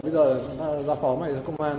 bây giờ ta ra phó mày ra công an